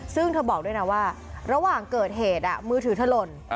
ซึ่งเธอบอกด้วยนะว่าระหว่างเกิดเหตุมือถือถล่น